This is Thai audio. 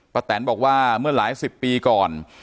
ป้าแตนบอกว่าเมื่อหลาย๑๐ปีก่อน